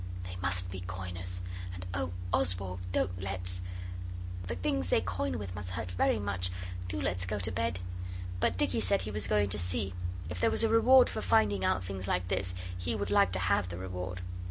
They must be coiners and oh, Oswald! don't let's! The things they coin with must hurt very much. Do let's go to bed!' But Dicky said he was going to see; if there was a reward for finding out things like this he would like to have the reward.